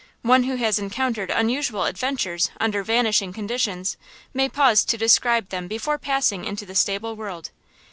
One who has encountered unusual adventures under vanishing conditions may pause to describe them before passing into the stable world.